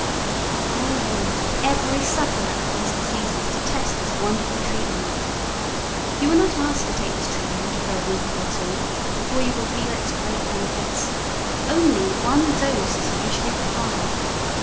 I want every sufferer of these diseases to test this wonderful treatment. You are not asked to take this treatment for a week or two before you will feel its great benefits only one dose is usually required.